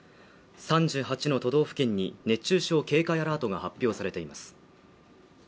３８の都道府県に熱中症警戒アラートが発表されています